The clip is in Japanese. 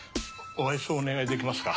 おあいそお願いできますか？